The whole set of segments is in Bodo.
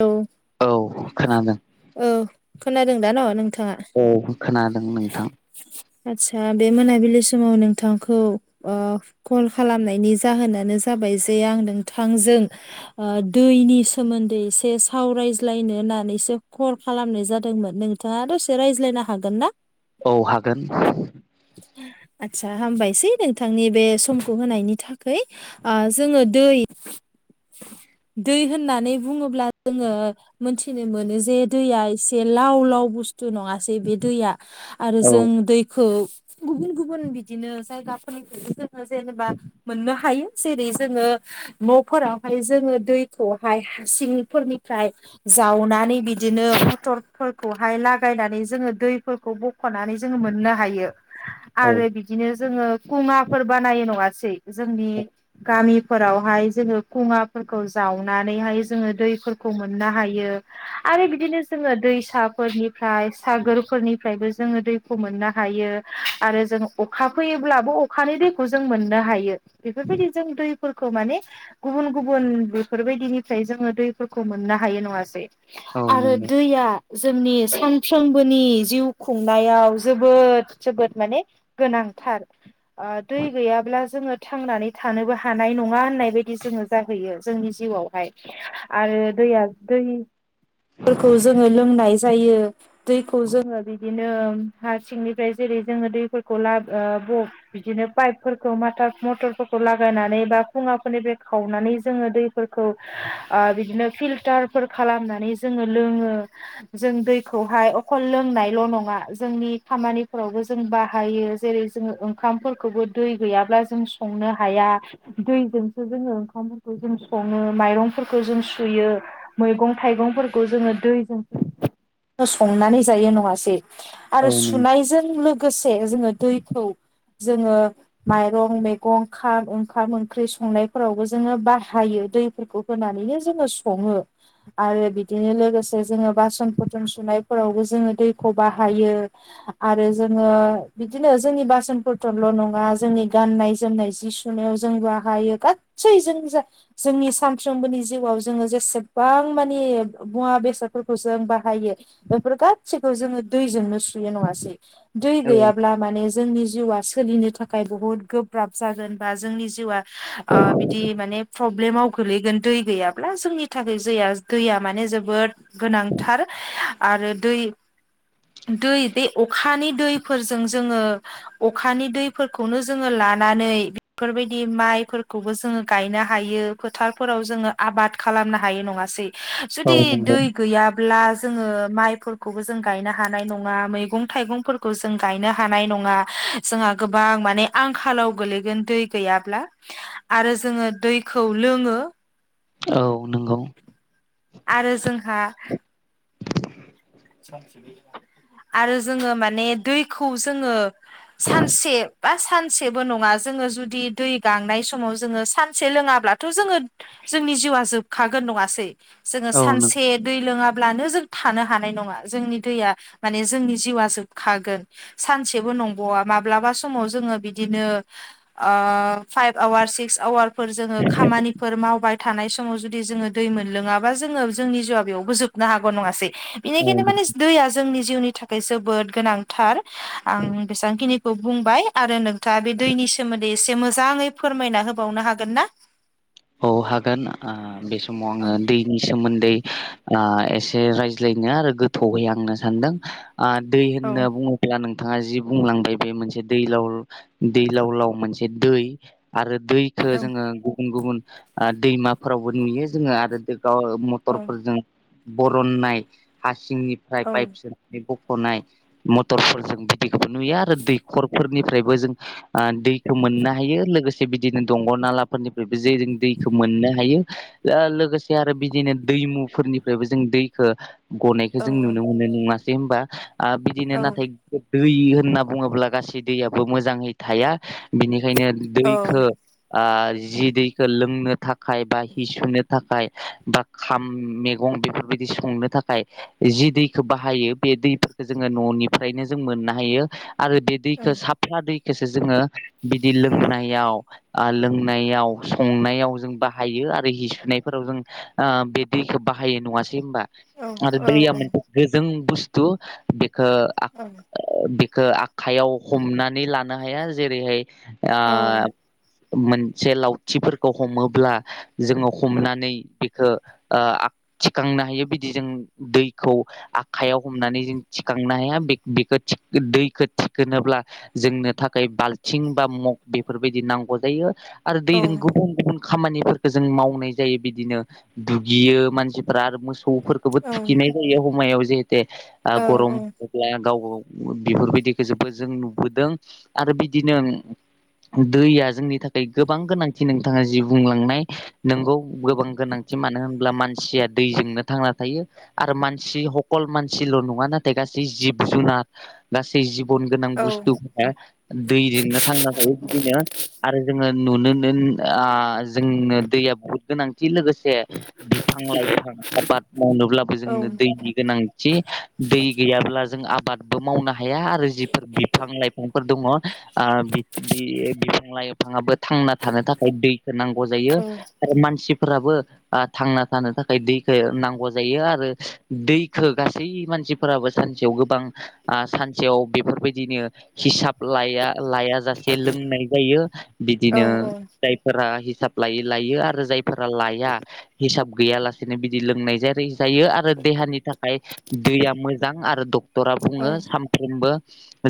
औ औ खोनादों। औ खोनादों दा न' नों औ खोनादों नोंथां। आदसा बे मोनाबिलि समाव नोंथांखौ ओ कल खालामनायनि जाहोनानो जा जाबाय जे आ नोंथांजों ओ दैनि स सोमोन्दै एसे सावरायज्लायनो होननानैसो कल खालामनाय जादोंमोन नोंथाङा दसे रायज्लायना हागोन ना? औ हागोन। आ हामबायसै नोंथांनि बे समखौ होनायनि थाखै आ जोङो दै दै होन होननानै बुङोब्ला जोङो मोनथिनो मोनो जे दैया एसे लाव लाव बुस्थु नङा जे बे दैया आरो औ जों दैखौ गुबुन गुबुन बिदिनो जायगाफोरनिफ्रायबो ओ जेनेबा मोननो हायो जेरै जोङो न'फोरावहाय जोङो दैखौ हाय हासिंफोरनिफ्राय जावनानै बिदिनो मटरफोरखौहाय लागायनानै जोङो दैफोरखौ ब खनानै जोङो मोननो हायो औ आरो बिदिनो जोङो खंङाफोर बानायो नङासै जोंनि गामिफोरावहाय जोङो खंङाफोरखौ जाव नानैहाय जोङो दैफोरखौ मोननो हायो आरो बिदिनो जों दैसाफोरनिफ्राय सागोरफोरनिफ्रायबो जोङो दैखौ मोननो हायो आरो जों अखा फैयोब्लाबो अखा बै दैखौ जों मोननो हायो बेफोरबायदि जों दैफोरखौ माने गुबन गुबन बेफोरबायदिनिफ्राय जोङो दैफोरखौ मोननो हायो नङासै औ आरो नंगौ दैया जोंनि सानफ्रोमबोनि जिउ खुंनायाव जोबोद जोबोद माने गोनां थार ओ दै गैयाब्ला जोङो थांनानै थानोबो हानाय नङा होननाय बायदि जोङो जाहैयो जोंनि जिउआवहाय आरो दैया दै फोरखौ जोङो लोंनाय जायो दैखौ जोङो बिदिनो हारसिंनिफ्राय जे रै जोङो दैफोरखौ ला ओ बो बिदिनो पाइपफोरखौ माटा मटरफोरखौ लागायनानै बा खुंङाफोरनिफ्राय खावनानै जोङो दै फोरखौ आ बिदिनो फिलटारफोर खालामनानै जोङो लोङो जों दैखो खौहाय अकल लोंनायल' नङा जोंनि खामानिफोरावबो जों बाहायो जेरै जों ओंखाम फोरफोरखौबो दै गैयाब्ला जों संनो हाया दैजोंसो जोङो ओंखामफोरखौ जों सङो माइरंफोरखौ जों सुयो मैगं थाइगंफोरखौ जोङो दैजों संनानै जायो नङासै आरो औ नंगौ सुनायजों लोगो लोगोसे जोङो दैखौ जोङो माइरं मैगं खाम ओंखाम ओंख्रि संनायफोरावबो जोङो बाहाय हायो दैफोरखौ होनानैनो जोङो सङो आरो बिदिनो लोगोसे जोङो बासनफोर जों सुनायफोरावबो जोङो दैखौ बाहायो आरो जोङो बिदिनो जोंनि बास फोरथ'ल' नङा जोंनि गाननाय जोमनाय जि सुनायाव जों बाहायो गासै जों जा जोंनि सानफ्रोमबोनि जिउआव जोङो जेसेबां माने मुवा बेसादफोरखौ जों बाहायो बेफोर गासैखौ जोङो दैजोंनो सुयो नङासै दै औ गैयाब्ला माने जोंनि जिउआ सोलिनो थाखाय बुहुत गोब्राब जागोन बा जोंनि जिउआ ओ बिदि माने प्रब्लेमाव गोलैगोन दै गैयाब्ला जोंनि थाखाय जैया दैया माने जोबोद गोनांथार आरो दै। दै बे अखानि दैफोरजों जोङो अखानि दैफोरखौनो जोङो ला लानानै बेफोरबायदि माइफोरखौबो जोङो गायनो हायो। हायो फोथारफोराव जोङो आबाद खालामनो हायो नङासै। औ जुदि नंगौ दै गैयाब्ला जोङो माइफोरखौबो जों गायनो हानाय नङा मैगं थाइगंफोरखौ जों गायनो हानाय नङा जोंहा गोबां माने आंखालाव गोलैगोन दै गैयाब्ला आरो जोङो दै खौ लोङो औ नंगौ आरो जोंहा आरो जोङो माने दैखौ जोङो सानसे बा सानसेबो नङा जोङो जुदि दै गांनाय समाव जोङो सानसे लोङाब्लाथ' जोङो जोंनि जिउआ जोबखागोन नङासै जोङो औ सानसे दै लोङाब्लानो जों थानो हानाय हानाय नङा जोंनि दैया माने जोंनि जिउवा जोबखागोन सानसेबो नंबावा माब्लाबा समाव जोङो बिदिनो ओ फाइफ आवार सिक्स आवारफोर जोङो खामानिफोर मावबाय थानाय समाव जुदि जोङो दै मोनलोङाबा जोङो जोंनि जिउआ बेयावबो जोबनो हागौ नङासै बेनिखायनो नंगौ माने दैया जोंनि जिउनि थाखाय जोबोद गोनांथार आं बेसेबांखिनिखौ बुंबाय आरो नोंथाङा बे दैनि नि सोमोन्दै एसे मोजाङै फोरमायना होबावनो हागोन ना औ हागोन आ बे समाव औ आङो दैनि सोमोन्दै आ एसे रायज्लायनो आरो गोथौहै आंनो सानदों आ दै औ होनना बुङोब्ला नों नोंथाङा जि बुंलांबाय बे मोनसे दैलाव दैलावलाव मोनसे दै आरो दैखो औ जोङो गुबुन गुबुन दैमाफोरावबो नुयो जोङो आरो बे गाव औ मटरफोरजों बरननाय हासिंनिफ्राय औ पाइप सोनानै ब खनाय मटरफोरजों बिदिखौबो नुयो आरो दैखरफोरनिफ्रायबो जों ओ दै खौ मोननो हायो लोगोसे बिदिनो दंग नालाफोरनिफ्रायबो जे जों दैखौ मोननो हायो लो लोगोसे आरो बिदिनो दैमुफोरनिफ्रायबो जों दैखौ गनायखौ जों नुनो मोनो नङासै होनबा बिदिनो औ नाथाय दै होनना बुङोब्ला गासै दैयाबो मोजाङै थाया बिनिखायनो औ दैखो आ जि दै खोलोंनो थाखाय बा हि सुनो थाखाय बा खाम मैगं बेफोरबायदि संनो थाखाय थाखाय जि दैखौ बाहायो बे दैफोरखौ जोङो न'निफ्रायनो जों मोननो हायो आरो बे दैखौ साफा दैखौसो जोङो बिदि लोंनायाव ओ लोंनायाव संनायाव जों बाहायो आरो हि सुनायफोराव जों बे दैखौ बाहायो नङासै दिहोनबा औ आरो औ दैया मोनसे गोजों बुस्थु बेखो आख बिखौ आखाइयाव हमनानै लानो हाया जेरैहाय आ मोनसे लाव थिफोरखौ हमोब्ला जोङो हमनानै बेखो थिखांनो हायो बिदि जों दैखौ आखायाव हमनानै जों थिखांनो हाया बेखो गोनोब्ला जोंनो थाखाय बाल्थिं बा मग बेफोरबायदि नांगौ जायो आरो दैजों गुबुन-गुबुन खामानिफोरखौ जों मावनाय जायो बिदिनो दुगियो मानसिफ्रा आरो मोसौ थौफोरखौबो थुखिनाय जायो हमायाव जिहेते औ गरमोब्ला गावबागाव बेफोरबायदिखौ जोबोद जों नुबोदों आरो बिदिनो दैया जोंनि थाखाय गोबां गोनां नोंथाङा जि बुंलांनाय नोंगौ गोबां गोनांथि मानो होनब्ला मानसिया दैजोंनो थांना थायो आरो मानसि सकल मानसिल' नङा नाथाय गासै जिब जुनार गासै जिब बुन गोनां बुस्थुफोरा दैजोंनो थांनो थायो बिदिनो आरो जोङो नुनो जोंनो दैया बुहुत गोनां। लोगोसे बिफां लाइफां आबाद मावनोब्लाबो जोंनो दैनि गोनांथि। दै गैयाब्ला जों आबादबो मावनो हाया आरो जिफोर बिफां लाइफांफोर दङ' ओ बिनि बिफां लाइफांङाबो थां थानो थाखाय दैखौ नांगौ जायो औ आरो मानसि फोराबो आ थांना थानो थाखाय दैखो नांगौ जायो आरो दैखो गासै मान सिफोराबो सानसेयाव गोबां आ सानसेयाव बेफोरबायदिनो हिसाब लाया-लाया जासे लोंनाय जायो बिदिनो औ जायफोरा हिसाब लायो लायो आरो जायफोरा लाया हिसाब गैयालासेनो बिदि लोंनाय जेरै जायो आरो देहानि थाखाय दैया मोजां आरो डक क्टरा औ बुङो सानफ्रोमबो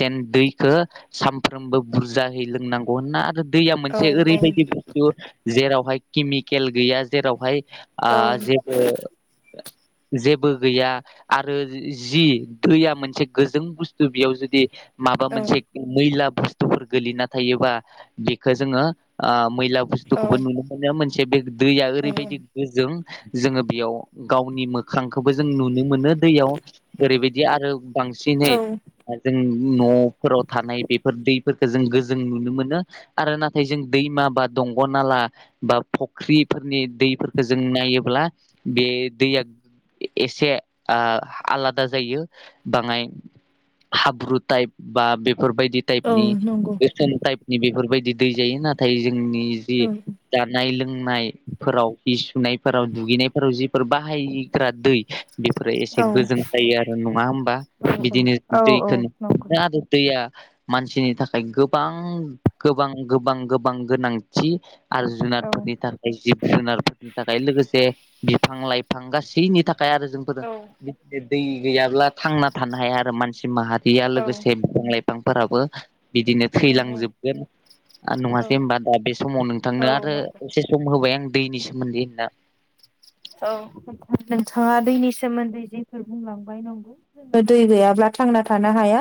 जेन दैखो सामफ्रोमबो बुरजाहै लोंनांगौ होनना आरो दैयाम एसे औ ओरैबायदि बुस्थु जेरावहाय केमिकेल गैया जेरावहाय आ जेबो [unintelligible] जेबो गैया आरो जि जि दैया मोनसे गोजों बुस्थु बेयाव जुदि माबा औ मोनसे ओ मैला बुस्थुफोर गोलैना थायोबा बेखो जोङो ओ मैला औ बुस्थुखौबो नुनो मोनो मोनसे बे दैया ओरैबायदि गोजों जोङो बेयाव गावनि मोख खांखबो जों नुनो मोनो दैयाव ओरैबायदि आरो औ बांसिनै ओ जों न'फोराव थानाय बेफोर दैफोरखो जों गोजों नुनो मोनो आरो नाथ थाय जों दैमा बा दंग'नाला बा फुख्रिफोरनि दैफोरखो जों नायोब्ला बे दैया ए एसे ओ आलादा जायो बाङाय हाब्रु टाइप बा बेब फोरबायदि औ टाइपनि नंगौ गोसोन टाइपनि बेफोरबायदि दै जायो नाथाय जों जोंनि जि औ जानाय लोंनायफोराव हि सुनायफोराव दुगैनायफोराव जिफोर बाहायग्रा दै बेफोरो एसे औ गोजों जायो आरो नङा होमबा बिदिनो औ दैखो [unintelligible] मोनो आरो दैया मानसिनि थाखाय गोबां-गोबां गोबां-गोबां गोनांथि आरो जुनादफोरनि थाखाय जिब -जुनारफोरनि थाखाय लोगोसे बिफां -लाइफां गासैनि थाख खाय आरो जोंफोरो बे [unintelligible] दै गैयाब्ला थांना थानो हाया आरो मानसि माहा रिया औ लोगोसे बिफां- लाइफांफोराबो बिदिनो थैलांजोबगोन ओ नङासै होनबा दा बे समाव औ नोंथांनो आरो नंगौ एसे सम होबाय आं दैनि सोमोन्दै होनना औ [unintelligible] नोंथाङा दैनि सोमोन्दै जेफोर बुंलांबाय नंगौ ओ दै गैयाब्ला आ थांना थानो हाया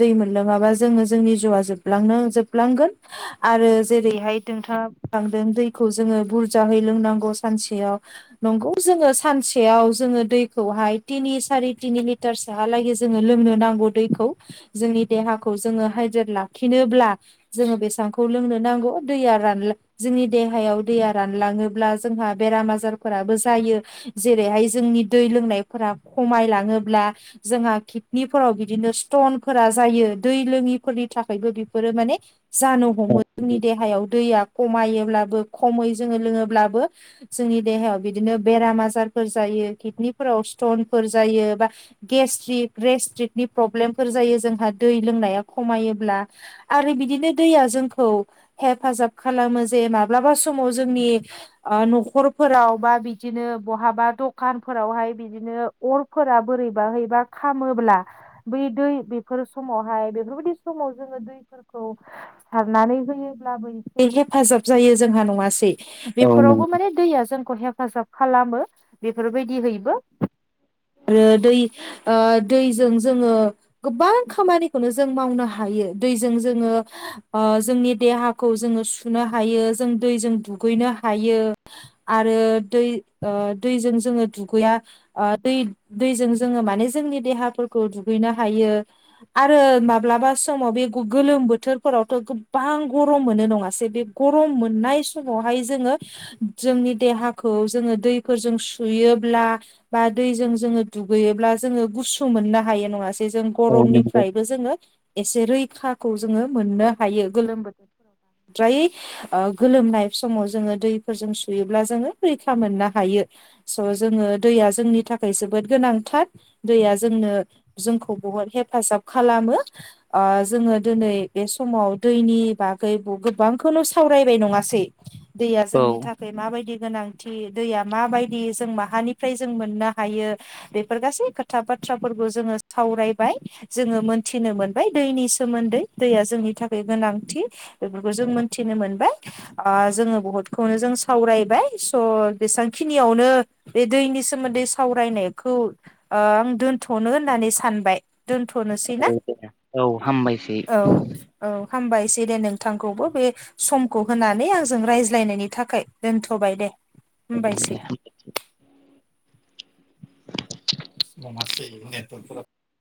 दै मोनलोङाबा जोङो जोंनि जिउआ जोबलांनो जोबलांगोन आ आरो जेरैहाय नोंथाङा बुंलांदों दैखौ जोङो बुरजाहै लोंनांगौ सानसेयाव नंगौ जोङो सानसेयाव जोङो दैखौहाय तिनि सारि तिनि लिटारसोहालागै जोङो लों नो नांगौ दैखौ जोंनि देहाखौ जोंङो हाइड्रेट लाखिनोब्ला जोंङो बेसेसांखौ लों नो नांगौ दैआ रानलां जोंनि देहायाव दैआ रानलाङोब्ला जोंहा बेराम आजार फोराबो जायो जेरैहाय जोंनि दै लोंनायफोरा खमाय लाङोब्ला जोंहा खिद निफोराव बिदिनो स्टनफोरा जायो दै लोङिफोरनि थाखायबो बेफोरो माने जानो औ हमो जोंनि देहायाव दैया खमायोब्लाबो खमै जोङो लोङोब्लाबो जोंनि देहायाव बिदिनो बेराम आजारफोर जायो खितकनिफोराव स्टनफोर जायो बा गेस्ट्रिक ग्रे स्ट्रिक नि प्रल्बेमफोर जायो जोंहा दै लोंनाया खमायोब्ला आरो बिदिनो दैया जोंखौ खौ हेफाजाब खालामो जे माब्लाबा समाव जोंनि ओ न'खरफोराव बा बिदिनो बहाबा दखानफोरावहाय बिदिनो अरफोरा‌ बोरैबा हैबा खामोब ब्ला बै दै बेफोर समावहाय बेफोरबादि समाव जोङो दैफोरखौ सारना [unintelligible] एसे हेफाजाब जायो जोंहा नङासै बेफोराव बो नंगौ माने दैआ जोंखौ हेफ फाजाब खालामो बेफोरबायदि हैबो आरो दै ओ दैजों जोङो गोबां खामानिखौनो जों मावनो हा हायो। दैजों जोङो ओ जोंनि देहाखौ जोङो सुनो हायो, जों दैजों दु गैनो हायो आरो दै ओ दैजों जोङो दुगैया आ दै-दैजों जोङो माने जोंनि देहाफोर खौ दुगैनो हायो आरो माब्लाबा समाव बे गु गोलोम बोथोरफोरावथ' गोब्बां बां गरम मोनो नङासै, बे गरम मोननाय समावहाय जोङो जोंनि देहा खौ जोङो दैफोरजों सुयोब्ला बा दैजों जोङो दुगैयोब्ला जोङो गुसु मो मोननो हायो नङासै, जों औ नंगौ गरमनिफ्रायबो जोङो एसे रैखाखौ जोङो मोननो हायो गोलोम बोथोरफोराव। द्रायै ओ गोलोमनाय समाव जोङो दैफोरजों सुयोब्ला जोङो रैखा मोननो हायो। स' जोङो दैया जोंनि थाखाय जोबोद गोनांथार। दैया जों नो जोंखौ बहद हेफाजाब खालामो। ओ जोङो दोनै बे समाव दै नि बागै बु गोबांखौनो सावरायबाय नङासै, दैया औ जोंनि थाखाय माबायदि गोनां थि, दैया माबायदि, जों माहानिफ्राय जों मोननो हायो, बेफोर गासै खोथा बाथ्राफोर खौ जोङो सावरायबाय। जोङो मोनथिनो मोनबाय दैनि सोमोन्दै दैया जोंनि थाखाय गोनां थि बेफोरखौ जों मोनथिनो मोनबाय। ओ जोङो बुहुदखौनो जों सावरायबाय। स' बेबसांखिनियावनो बे दैनि सोमोन्दै सावरायनायखौ ओ आं दोनथ' नो होननानै सानबाय। दोनथ'नोसै औ ना? दे औ हामबायसै औ औ। हामबायसै दे नोंथांखौबो बे समखौ होनानै आंजों रायज्लायनायनि थाखाय दोनथ'बाय दे। हामबायसै। दे [unintelligible]